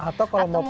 atau kalau mau pakai